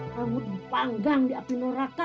kamu dipanggang di api noraka